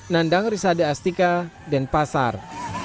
nandang risade astika dan pasar